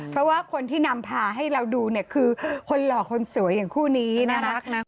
เพราะว่าคนที่นำพาให้เราดูเนี่ยคือคนหล่อคนสวยอย่างคู่นี้น่ารักนะ